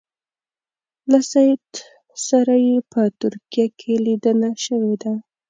له سید سره یې په ترکیه کې لیدنه شوې ده.